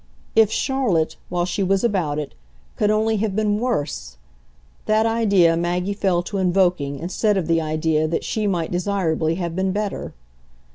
If Charlotte, while she was about it, could only have been WORSE! that idea Maggie fell to invoking instead of the idea that she might desirably have been better.